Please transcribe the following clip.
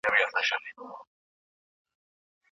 زدهکوونکي د ښوونځي د ټولګیو له امکاناتو ګټه اخلي.